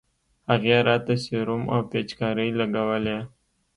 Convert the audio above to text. هغې راته سيروم او پيچکارۍ لګولې.